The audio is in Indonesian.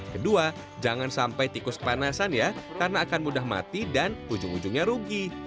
kedua jangan sampai tikus kepanasan ya karena akan mudah mati dan ujung ujungnya rugi